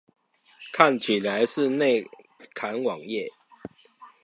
看起來是內嵌網頁